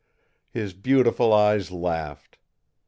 His beautiful eyes laughed.